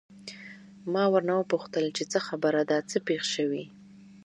ما ورنه وپوښتل چې څه خبره ده، څه پېښ شوي؟